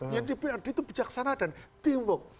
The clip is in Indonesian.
yang dprd itu bijaksana dan teamwork